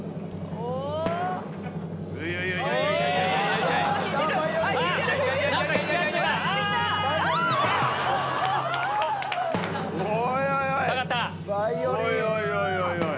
おいおいおいおい。